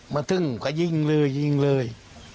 มาถึงก็ยิงเลยยิงเลย